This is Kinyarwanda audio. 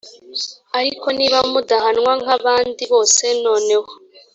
ariko niba mudahanwa nk abandi bose noneho